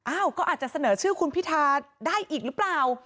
ก็อาจจะเสนอชื่อคุณพิทาได้อีกหรือเปล่า